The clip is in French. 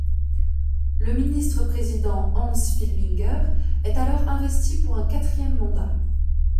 Le ministre-président Hans Filbinger est alors investi pour un quatrième mandat.